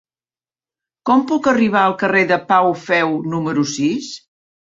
Com puc arribar al carrer de Pau Feu número sis?